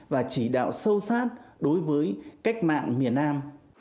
và chỉ đạo sâu sát đối với cách mạng miền nam